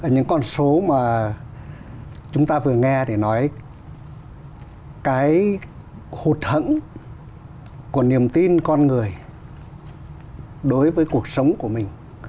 những con số mà chúng ta vừa nghe để nói cái hột hẳn của niềm tin con người đối với cuộc sống của mình